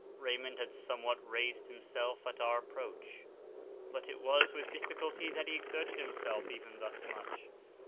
Raymond had somewhat raised himself at our approach, but it was with difficulty that he exerted himself even thus much.